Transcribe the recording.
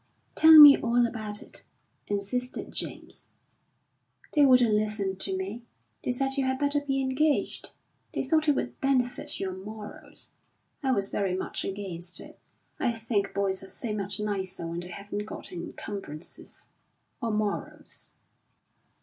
"Tell me all about it," insisted James. "They wouldn't listen to me. They said you had better be engaged. They thought it would benefit your morals. I was very much against it. I think boys are so much nicer when they haven't got encumbrances or morals."